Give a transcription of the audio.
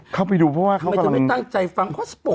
เข้าไปดูเพราะว่าเขากำลังทำไมจะไม่ตั้งใจฟัง